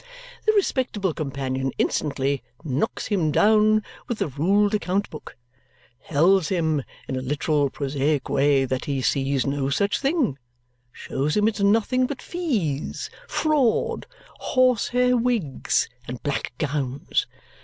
The respectable companion instantly knocks him down with the ruled account book; tells him in a literal, prosaic way that he sees no such thing; shows him it's nothing but fees, fraud, horsehair wigs, and black gowns.